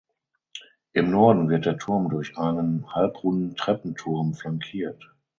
Im Norden wird der Turm durch einen halbrunden Treppenturm flankiert.